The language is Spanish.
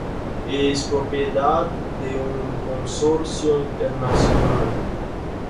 Es propiedad de un consorcio internacional.